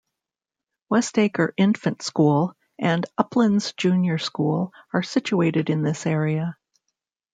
Westacre Infant school and Uplands Junior school are situated in this area.